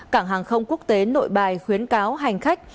cảng hàng không quốc tế nội bài khuyến cáo hành khách